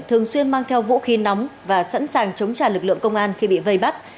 thường xuyên mang theo vũ khí nóng và sẵn sàng chống trả lực lượng công an khi bị vây bắt